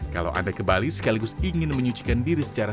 kalau anda ke bali sekaligus ingin menyucikan diri secara